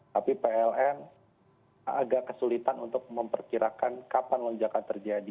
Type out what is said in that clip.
tapi pln agak kesulitan untuk memperkirakan kapan lonjakan terjadi